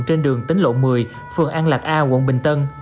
trên đường tính lộ một mươi phường an lạc a quận bình tân